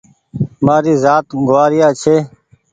مآري زآت گوآريآ ڇي